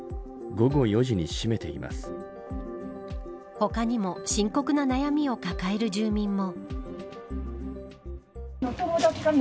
他にも深刻な悩みを抱える住民も。